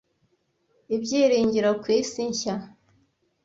Ibyiringiro ku isi nshya!